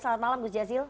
selamat malam gus jazil